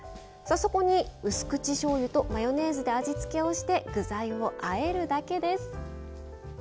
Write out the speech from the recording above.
さあそこにうす口しょうゆとマヨネーズで味付けをして具材をあえるだけです。